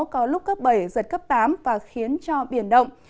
có lúc cấp bảy giật cấp tám và khiến cho biển động